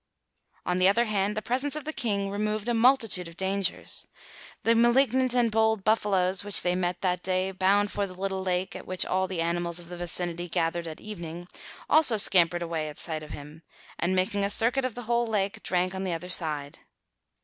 On the other hand, the presence of the King removed a multitude of dangers. The malignant and bold buffaloes, which they met that day bound for the little lake at which all the animals of the vicinity gathered at evening, also scampered away at sight of him and, making a circuit of the whole lake, drank on the other side.